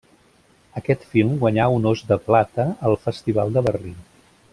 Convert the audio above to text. Aquest film guanyà un Os de Plata al Festival de Berlín.